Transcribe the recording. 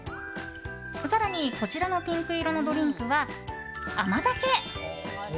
更に、こちらのピンク色のドリンクは甘酒！